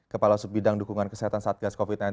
kepala subbidang dukungan kesehatan satgas covid sembilan belas